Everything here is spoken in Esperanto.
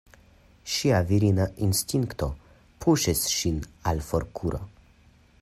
Ŝia virina instinkto puŝis ŝin al forkuro.